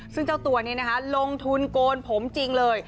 ซึ่งเจ้าตัวนี้นะคะลงทุนโกนผมจริงเลย